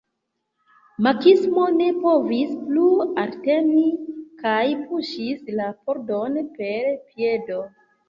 Maksimo ne povis plu elteni kaj puŝis la pordon per piedo.